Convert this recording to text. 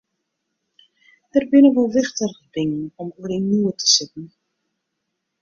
Der binne wol wichtiger dingen om oer yn noed te sitten.